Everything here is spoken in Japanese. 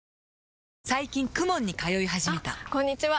最近 ＫＵＭＯＮ に通い始めたあこんにちは！